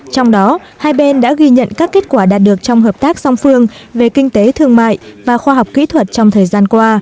trong đó hai bên đã ghi nhận các kết quả đạt được trong hợp tác song phương về kinh tế thương mại và khoa học kỹ thuật trong thời gian qua